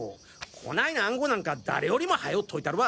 こないな暗号なんか誰よりも早よ解いたるわ！